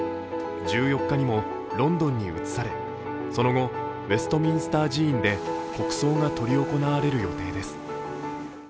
１４日にもロンドンに移されその後、ウエストンミンスター寺院で国葬が執り行われる予定です。